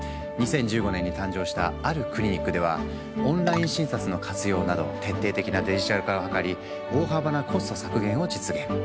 ２０１５年に誕生したあるクリニックではオンライン診察の活用など徹底的なデジタル化を図り大幅なコスト削減を実現。